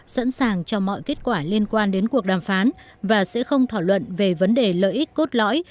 sẵn sàng cho mọi kết quả liên quan đến cuộc đàm phán và sẽ không thỏa luận về vấn đề lợi ích cốt lõi